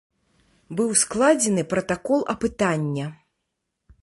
Быў складзены пратакол апытання.